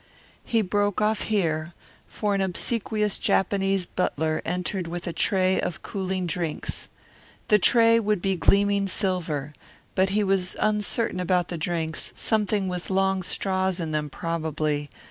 He broke off here, for an obsequious Japanese butler entered with a tray of cooling drinks. The tray would be gleaming silver, but he was uncertain about the drinks; something with long straws in them, probably.